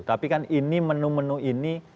tapi kan ini menu menu ini